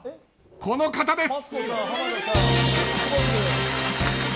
この方です。